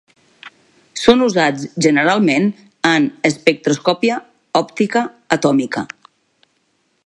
Són usats generalment en espectroscòpia òptica atòmica.